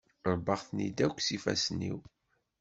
Rebbaɣ-ten-id akk s yifassen-iw.